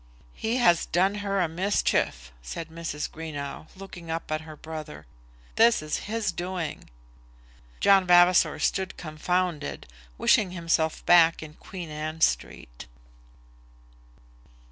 "He has done her a mischief," said Mrs. Greenow, looking up at her brother. "This is his doing." John Vavasor stood confounded, wishing himself back in Queen Anne Street.